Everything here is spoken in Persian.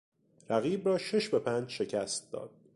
رقیب را شش به پنج شکست داد.